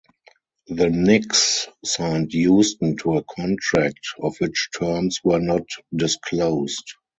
The Knicks signed Houston to a contract, of which terms were not disclosed.